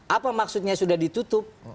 apa maksudnya sudah ditutup